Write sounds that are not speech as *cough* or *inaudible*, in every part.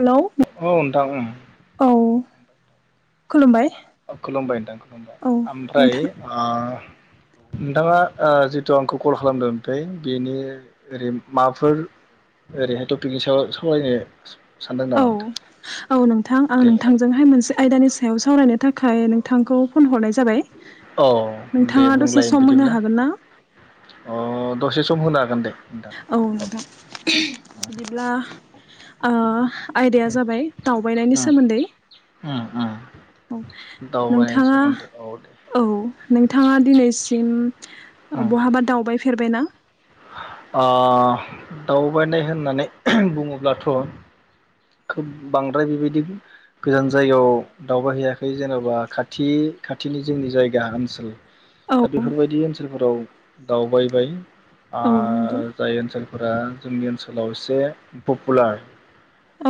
Hello औ नोंथां उम औ खुलुमबाय खुलुमबाय नोंथां खुलुमबाय औ ओमफ्राय नोंथां ओ नोंथाङा ओ जिथु आंखौ कल खालामदों ओमफ्राय बेनि ओरै माबाफोर ओरैहाय थपिकनि सावरायनो सानदों औ नामा नोंथां औ नोंथां आं दे नोंथांजोंहाय मोनसे आयदानि सायाव सावरायनो थाखाय नोंथांखौ फन हरनाय जाबाय औ दे नोंथाङा दसे बुंलाय सम होनो बिदिब्ला हागोन ना औ अ दसे सम होनो हागोन दे नोंथां औ नोंथां हरदो बिदिब्ला ओ आयदाया जाबाय दावबायनायनि उम सोमोन्दै उम उम औ दावबायनायनि नोंथाङा सोमोन्दै औ दे औ नोंथाङा दिनै उम *unintelligible* बहाबा दावबाय फेरबायना? ओ दावबायनाय होननानै बुङोब्लाथ' खोब बांद्राय बेबायदि गोजान जायगायाव दावबायहैयाखै जेन'बा खाथि खाथिनि जोंनि जायगा ओनसोल दा औ बेफोरबायदि ओनसोलफोराव दावबायबाय। ओ औ नंगौ जाय ओनसोल फोरा जोंनि ओनसोलाव एसे पपुलार।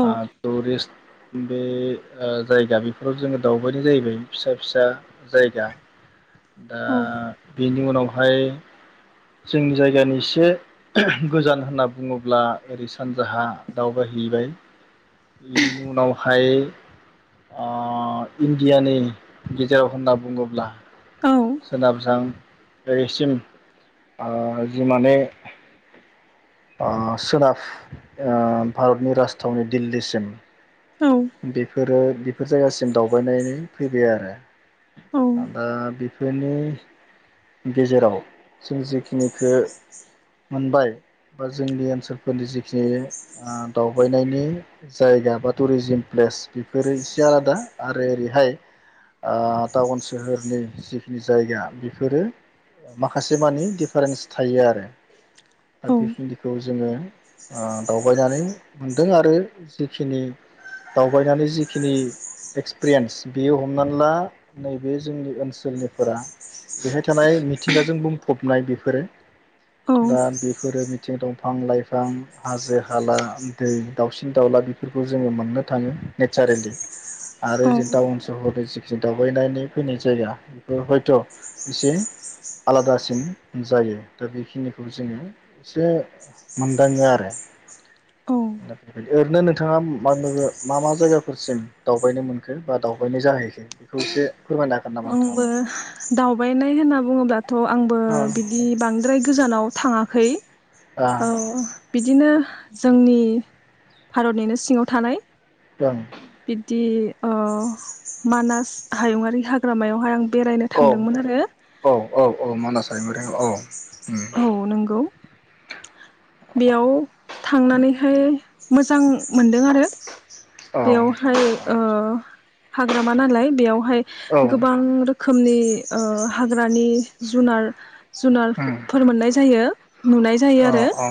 औ ओ टुरिस्ट बे ओ जायगा बेफोराव जोङो दावबायनाय जाहैबाय फिसा फिसा जायगा। दा औ बेनि उनावहाय जोंनि जायगानि एसे गोजान होनना बुङोब्ला ओरै सानजाहा दावबायहैबाय। बेनिनो उनावहाय ओ इण्डियानि गेजेराव होनना बुङोब्ला औ सोनाबजां ओरैसिम ओ जि माने ओ सोनाब ओ भारतनि राजथावनि दिल्लीसिम। औ बेफोरो बेफोर जायगासिम दावबायनानै फैबाय आरो। आं दा बि बेफोरनि गेजेराव जों जिखिनिखो मोनबाय बा जोंनि ओनसोलफोरनि जिखिनि ओ दावबायनायनि जायगा बा टुरिजिम प्लेस बेफोरो एसे आलादा आरो ओरैहाय ओ टाउन सोहोरनि जि जायगा बेफोरो माखासे मानि डिफारेन्स थायो आरो। दा औ बेखिनिखौ जोङो ओ दावबायनानै मोनदों आरो जिखिनि दावबायनानै जिखिनि एक्सपिरियेन्स बेयो हमनानै ला नैबे जोंनि ओनसोलनि फोरा बेहाय थानाय मिथिंगाजों बुंफबनाय बेफोरो। दा औ बेफोरो थि दंफां-लाइफां हाजो-हाला दै दाउसिन-दाउला बेफोरखौ जोङो मोननो थाङो नेचारेलि। आरो जों औ टाउन सहर जे जे दावबायनायनि फैनाय जाया। हयथ' एसे आलादासिन जायो दा बेखिनिखौ जोङो एसे मोनदाङो आरो औ नाथाय ओरैनो नोंथाङा मा नोंङो मा मा जायगाफोरसिम दावबायनो मोनखो बा दावबायनो जाहैखो बेखौ एसे फोरमायनो हागोन नामा नोंथाङाबो? आंबो दावबायनाय होनना बुङोब्लाथ' आंबो औ बिदि बांद्राय गोजानाव थाङाखै। औ। बिदिनो जोंनि भारतनिनो सिङाव थानाय। ओं। दि ओ मानास हायुंङारि हाग्रामायावहाय आं बेरायनो औ थांदोंमोन आरो औ औ औ मानास हायुंङारि औ। उम औ नंगौ बेयाव थांनानैहाय मोजां मोनदों आरो। औ बेवहाय औ ओ हाग्रामा नालाय बेयाव बा उम गोबां रोखोमनि ओ हाग्रानि जुनार जुनारफोर मोननाय जायो नुनाय जायो औ आरो। औ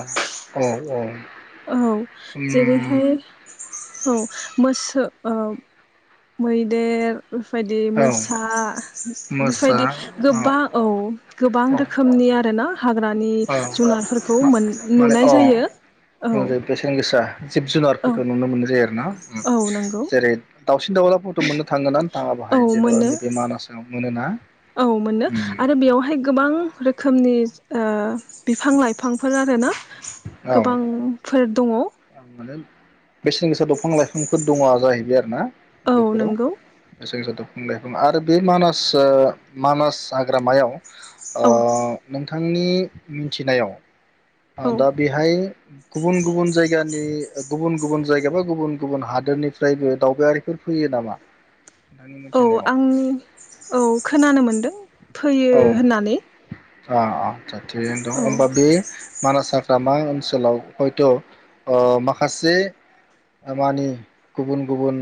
औ औ औ उम जेरैहाय। औ मोसौ। मैदेर। बेबायदि औ मोसा मोसा बेबायदि गोबां औ गोबां औ रोखोमनि आरो ना। औ माने नुनाय औ जायो औ बेसेन गोसा जिब औ जुनारफोरखौ नुनो मोनसै आरो। ना औ नंगौ जेरै। दावसिन दाउलाफोरखौथ मोननो थांङोना। औ *inaudible* मोनो नैबे मानासाव। मोनोना। औ मोनो आरो बेयावहाय गोबां रोखोमनि। बिफां लाइफांफोर आरोना। औ गोबांफोर दङ। *inaudible* बेसेन गोसा दंफां लाइफांफोर दंङ जाय। बिदि आरो ना। बेफोराव। नंगौ *inaudible* *inaudible* आरो बे मानास मानास हाग्रामायाव। ओ औ नोंथां। आंनि मिथिनायाव। औ दा बेहाय गुबुन गुबुन जायगा। गुबन गुबन जायगा। एबा गुबुन गुबुन हादोरनिफ्रायबो दावबायारिफोर फैयो नामा। नोंथांनि औ आं मिथिनायाव औ खोनानो मोनदों फैयो औ होननानै। अ अ। थिगैनो दं औ होमबा बे मानासा। हाग्रामा ओनसोलाव हयथ। माखासे मानि गुबुन गुबुन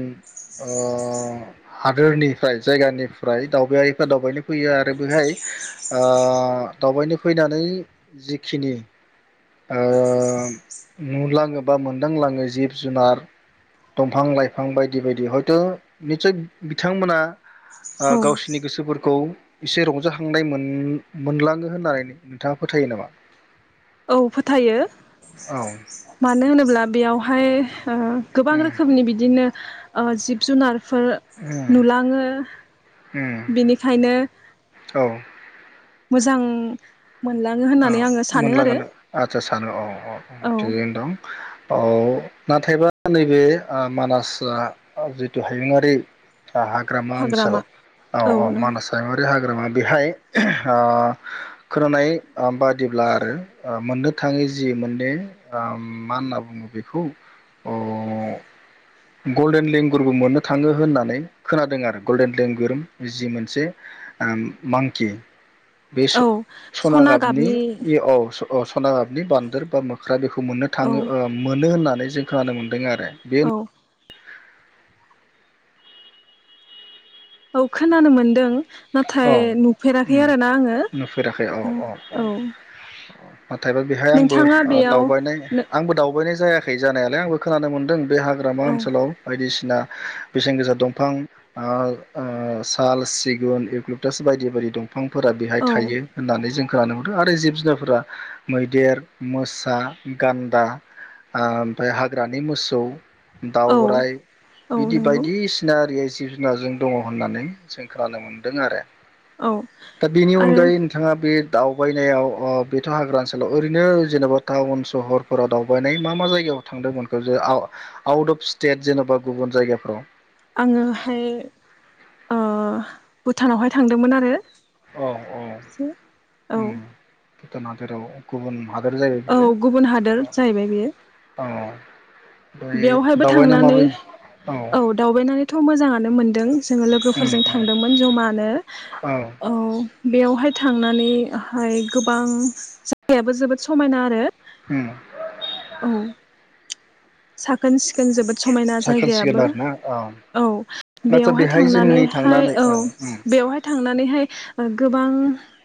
हादोरनिफ्राय जायगानिफ्राय दावबायारिफ्रा दावबायनो फैयो आरो बेहाय दावबायनो फैनानै जिखिनि नुलाङो। बा मोनदांलाङो जिब जुनार दंफां लाइफां बायदि बायदि हयथ' निसय बिथांमोना औ गावसिनि गोसोफोरखौ एसे रंजाखांनाय मोनलाङो होननानै नोंथाङा फोथायो नामा? औ फोथायो मा औ मानो होनोब्ला बेयावहाय ओ गोबां उम रोखोमनि बिदिनो ओ जिब जुनार फोर उम नुलाङो उम बेनिखायनो औ मोजां मोनलाङो अ होननानै आङो सानो आरो मोनलागोननो आचसा सानो औ औ औ थिगैनो दं । औ नाथायबा नैबे मानास जिथु हायुङारि हाग्रामा ओनसोल औ औ मानास हमारि हाग हाग्रामा बेहाय ओ खोनानाय ओ बादिब्ला आरो ओ मोननो थाङै जि मोने ओ मा होनना बुङो बेखौ ओ गल्डेन लेंगुरबो मोननो थाङो होननानै खोनादों आरो गल्डेन लेंगुर जि मोनसे मांकि बे औ सना गाब । औ । औ सनागाबनि बान्दोर बा मोख्रा बेखौ मोननो औ थाङो मोनो होननानै जों खोनानो मोनदों आरो बे औ । औ खोनानो मोनदों । औ नाथाय नुफेराखै उम आरोना आङो औ । नाथायबा बेहाय आंबो दावबायनाय जायाखै जानायालाय आंबो खोनानो मोन्दों बे हाग्रामा औ ओनसोलाव बायदिसिना ना बेसेन गोसा दंफां ओ ओ साल सिगुन ल्लुटास बायदि बायदि दं । बिफांफोरा बेहाय औ थायो होननानै जों । खोनानो मोनदों आरो जिब जुनारफोरा मैदेर, मोसा गान्दा ओमफफ्राय हाग्रानि मोसौ औ दावरायाइ औ बिदि नंगौ बायदिसिना आरि जिब जुनारजों दङ' होननानै जों खोनानो मोनदों दों आरो औ । दा बेनि आरो अनगायै नोंथाङा बे दावबायनायाव ओ बेथ' हाग्रा ओनसोलाव ओरैनो जेन'बा टाउन सहरफोराव दावबायनाय मा मा जायगायाव थांदोमोनखो जे आउ आउद अफ स्टेट जेन'बा गुबुन जायगाफोराव आंङोहाय भुटानावहाय थांदोंमोन आरो। औ औ से औ उम भुटान हादोराव गुबुन हादोर जायो औ बियो गुबुन हादोर औ औ बेवहायबो दावबायना थांनानै माबायदि औ दावबायनानैथ' मोजां नो मोन्दों । जोंङो उम लोगोफोरजों उम थांदोंमोन जमानो औ बेयावहाय थांनानैहाय गोबां जायाबो जोबोद समायना आरो। उम औ साखोन सि जों जोबोद समायना साखोन सिखोन जायगायाबो आरोना औ आदसा बेयावहाय बेहाय थांनानै जोंनि हाय थांनानै औ उम बेवहाय थांनानैहाय ओ गोबां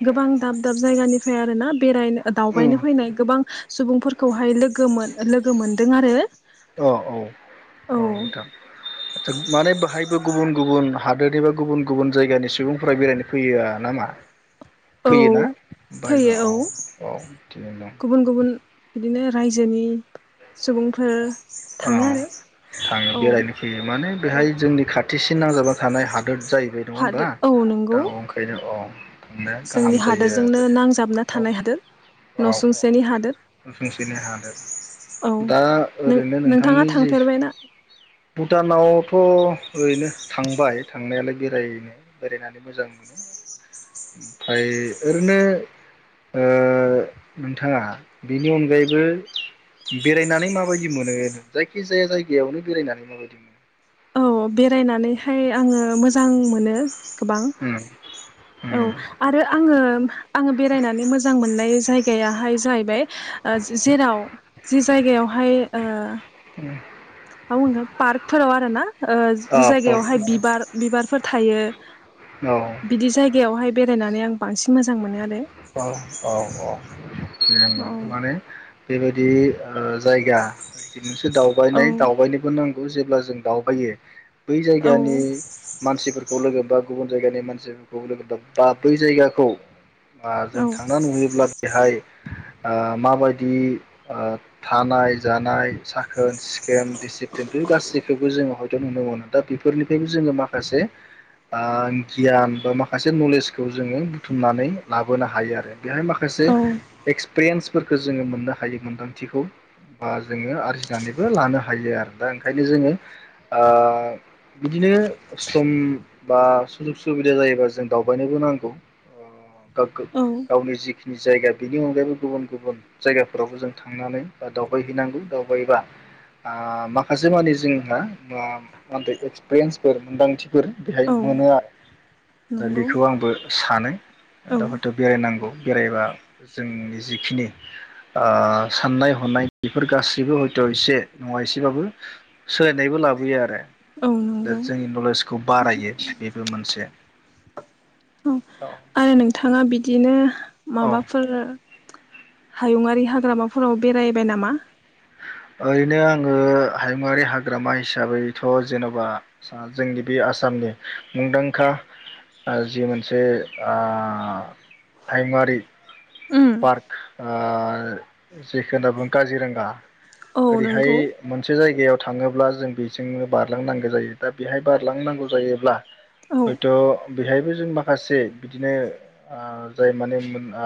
गोबां दाब दाब जायगानिफ्राय आरोना बेरायनो उम दावबायनो फैनाय गोबां सुबुंफोरखौहाय लोगो मोन लोगो मोनदों आरो। अ औ औ नोंथां आतसा माने बाहाय फोर गुबुन गुबुन हादोर एबा गुबुन गुबुन जायगानि सुबुंफोरा बेरायनो फैया नामा? औ फैयोना बायबो औ औ थिगानो दं। गुबुन गुबुन बिदिनो रायजोनि सुबुंफोर औ थाङो आरो थांङो औ बेरायनो फैयो माने औ बेहाय जोंनि खाथिसि *unintelligible* नांजाबा थानाय हादोर जाहैबाय नंङा होमबा? हादोर औ दा नंगौ अंखायनो औ थांना जोंनि गाहाम जायो हादोरजोंनो आरो नांजाबना थानाय हादोर औ औ औ नसुंसेनि हादोर नसुंसेनि हादोर दा यै ओरैनो नोंथांङा नोंथांनि जि थांफेरबायना? भुटानावथ' ओरैनो थांबाय थांनायालाय बेरायनो बेरायनानै मोजां मोनो ओमफ्राय ओरैनो ओ नोंथांङा बेनि अनगायैबो बेरायनानै माबाय दि मोनो जायखि जाया जायगायावनो बेरायनानै माबायदि मोन औ बेरायनानैहाय आंङो मोजां मोनो। गोबां उम औ उम आरो आंङो उम आंङो बेरायनानै मोजां मोननाय जायगायाहाय जाहैबाय ओ जेराव जि जायगायावहाय उम ओ *unintelligible* पार्क फोराव आरो ना ओ औ जि जायगायावहाय बिबार बिबारफोर थायो बिदि जायगायावहाय बेरायनानै आं बांसिन मोजां मोनो आरो औ औ औ थिगानो औ दं माने बेबायदि बि ओ जायगा नोंसो औ दावबायनाय दावबायनोबो नां जेब्ला जों दावबायो बै औ जायगानि मानसिफोरखौ लोगोबा गुबुन जायगानि मानसिफोरखौ लोगो बा बै जायगाखौ। ओ जों औ थांना नुयोब्ला बेहाय ओ माबायदि ओ थानाय जानाय सा खोन सिखोन डिसिप्लिन बै गासैखौबो जों हयथ' नुनो मोनो। दा बेफोरनिफ्रायबो जोङो माखासे गियान आ बा माखासे नलेजखौ जोङो बुथुमनानै लाबोनो हायो आरो। बेहाय माखासे औ एक्सपिरियेन्स फोरखो जोङो मोननो हायो मोन्दांथिखौ बा जोंओ आरजिनानैबो लानो हायो आरो दा ओंखायनो जोंओ ओ बिदिनो सम बा सुजुग सुबिदा जायोबा जों दावबायनोबो नांगौ। गा गो औ गावनि जि जायगा बिनि अनगायैबो गुबुन गुबुन जायगाफोरावबो जों थांनानै बा दावबायहैनांगौ दावबायबा माखासे मानि जोंहा ओ एक्सपिरियेन्सफोर मोनदांथिफोर बेहाय औ मोनो। दा नंगौ बेखौ आंबो। सानो। औ दा हयथ' बेरायनांगौ। बेरायबा जोंनि जिखिनि ओ साननाय हनाय बेफोर गासैबो हयथ' एसे नङा एसेबाबो सोलायनायबो लाबोयो आरो। औ दा नंगौ। जोंनि नलेजखौ बारायो बेबो मोनसे। औ आरो नोंथाङा बिदिनो औ माबाफोर हायुंआरि हाग्रामाफोराव बेरायबाय नामा? ओरैनो आंओ हायुंआारि हाग्रामा हिसाबैथ' जेन'बा सा जोंनि बे आसामनि मुंदांखा जि मोनसे आ हायुंआारि उम पार्क आ जेखो होनना बुङो काजिरोंगा औ ओरैहाय नंगौ मोनसे जायगायाव थाङोब्ला जों बेजोंनो बारलांनांगो जायो बा बेहाय बारलांनांगौ जायोब्ला औ हयथ' बेहायबो जों माखासे बिदिनो आ जाय माने आ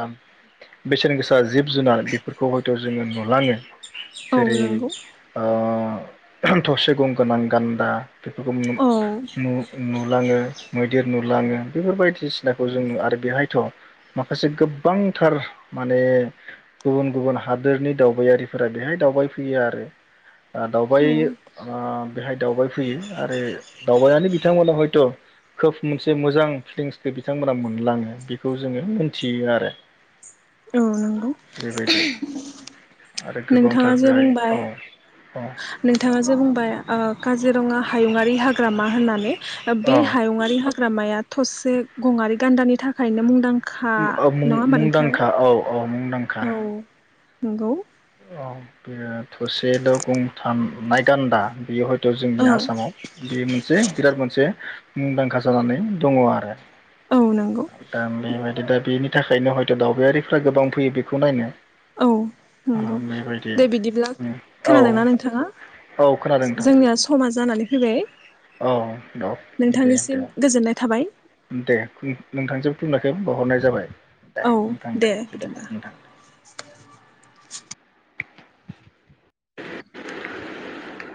बेसेन गोसा जिब जुनार बेफोरखौ हयथ' जों नुलाङो। औ जेरै नंगौ ओ थसे गं गोनां गान्दा। बेफोरखौ नु औ नु नुलाङो। मैदेर नुलाङो बेफोर बायदिसिनाखौ जों नु आरो बेहायथ' माखासे गोबांथार माने गुबुन गुबुन हादोरनि दावबायारिफोरा बेहाय दावबाय फैयो आरो। औ दावबाय ओ बेहाय दावबायफैयो आरो दावबायनानै बिथांमोना हयथ' खोब मोनसे मोजां फिलिंसखौ बिथांमोना मोनलाङो बेखौ जोङो मोनथियो आरो औ नंगौ बेबायदि। आरो नोंथाङा गोबांथार जे बेहाय बुंबाय औ औ नोंथाङा जे बुंबाय ओ काजिरङा हायुङारि हाग्रामा होननानै। बे औ हायुङारि हा हाग्रामाया थसे गंआरि गान्दानि थाखायनो मुंदां उम औ मुं मुंदांखा औ औ मुं दांखा औ नंगौ। औ बेयो थसेल' गं थानाय गान्दा बेयो हयथ' औ जोंनि आसामाव बे मोनसे बिराद मोनसे मुंदांखा जानानै दङ आरो। औ नंगौ दा बेबायदि दा बे थाखायनो हयथ' दावबायारिफोरा गोबां फैयो बेखौ नायनो। औ नंगौ बेबायदि दे बिदिब्ला उम औ खोनादोंना नोंथाङा? औ खोनादों नोंथां जोंनिया समा जानानै फैबाय औ औ दे दे नोंथांनिसिम गोजोननाय थाबाय। दे खुलु-नोंथांजों खुलुमनायखौ बावहरनाय जाबाय। दे औ नोंथां दे दे बिदिब्ला नोंथां।